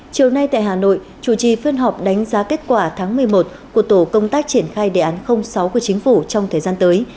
chiều nay tại hà nội chủ trì phiên họp đánh giá kết quả tháng một mươi một của tổ công tác triển khai đề án sáu của chính phủ trong thời gian tới